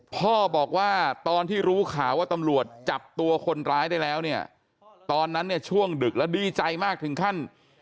พ่อบอกว่าตอนที่รู้ข่าวว่าตำรวจจับตัวคนร้ายได้แล้วเนี่ยตอนนั้นเนี่ยช่วงดึกแล้วดีใจมากถึงขั้น